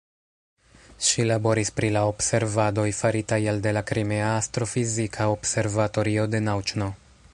Ŝi laboris pri la observadoj faritaj elde la Krimea astrofizika observatorio de Nauĉno.